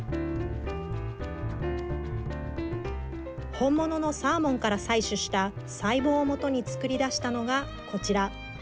本物のサーモンから採取した細胞をもとに作り出したのが、こちら。